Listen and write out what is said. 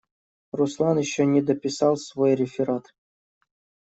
Руслан еще не дописал свой реферат.